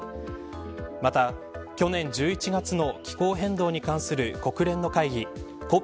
また、去年１１月の気候変動に関する国連の会議